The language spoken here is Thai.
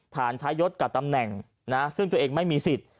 ฐานใช้ยศกับตำแหน่งซึ่งตัวเองไม่มีสิทธิ์